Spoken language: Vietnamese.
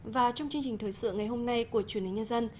và trong chương trình thời sự ngày hôm nay của chuyển lý nhân dân